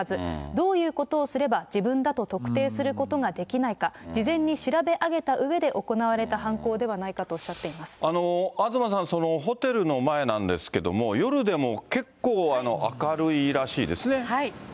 どういうことをすれば自分だと特定することができないか、事前に調べ上げたうえで行われた犯行ではないかとおっしゃってい東さん、そのホテルの前なんですけれども、夜でも結構明るいらしいですね。